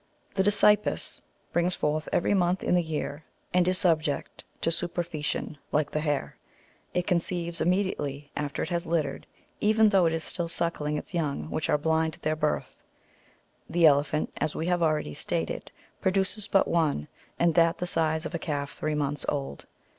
The dasypus brings forth every month in the year, and is subject to superfoetation, like the hare. It conceives immedi ately after it has littered, even though it is still suckling its young, which are blind at their birth. The elephant, as we have already^^ stated, produces but one, and that the size of a calf three months old.